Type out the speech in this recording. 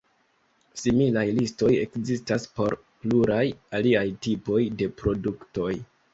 Similaj listoj ekzistas por pluraj aliaj tipoj de produktoj.